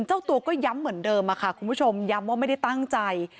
เจ้าตัวก็ย้ำเหมือนเดิมค่ะคุณผู้ชมย้ำว่าไม่ได้ตั้งใจ